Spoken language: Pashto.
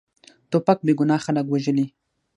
توپک بېګناه خلک وژلي.